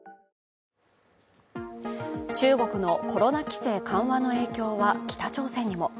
中国のコロナ規制緩和の影響は北朝鮮にも。